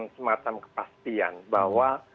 semacam kepastian bahwa